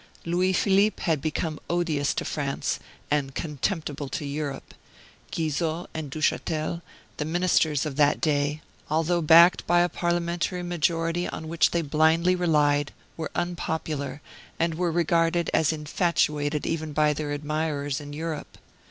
Louis Philippe had become odious to France, and contemptible to Europe. Guizot and Duchatel, the ministers of that day, although backed by a parliamentary majority on which they blindly relied, were unpopular, and were regarded as infatuated even by their admirers in Europe.